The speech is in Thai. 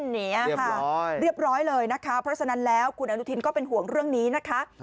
หนีค่ะเรียบร้อยเลยนะคะเพราะฉะนั้นแล้วคุณอนุทินก็เป็นห่วงเรื่องนี้นะคะ